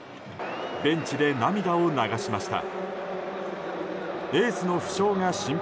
ベンチで涙を流しました。